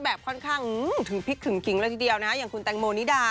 แบบค่อนข้างถึงพลิกถึงคิงอย่างคุณแตงโมนิดา